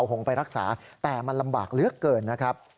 หงไปรักษาแต่มันลำบากเหลือเกินนะครับ